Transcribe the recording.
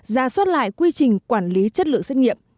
ra soát lại quy trình quản lý chất lượng xét nghiệm